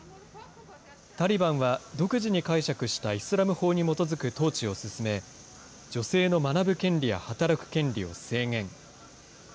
タリバンは独自に解釈したイスラム法に基づく統治を進め、女性の学ぶ権利や働く権利を制限。